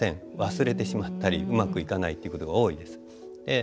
忘れてしまったりうまくいかないということが多いです。